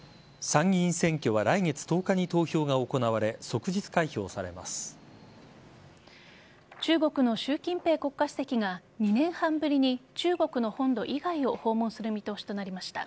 参議院選挙は来月１０日に投票が行われ中国の習近平国家主席が２年半ぶりに中国の本土以外を訪問する見通しとなりました。